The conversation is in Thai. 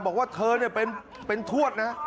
บอกว่าเธอเป็นทวดนะ